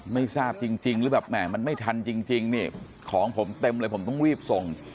ไม่ทันจริงเนี่ยของผมเต็มเลยผมต้องรีบส่ง